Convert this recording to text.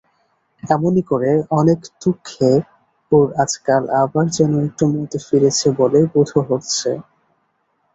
এমনি করে অনেক দুঃখে ওর আজকাল আবার যেন একটু মতি ফিরেছে বলে বোধ হচ্ছে।